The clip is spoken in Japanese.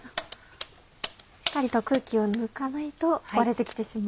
しっかりと空気を抜かないと割れて来てしまう。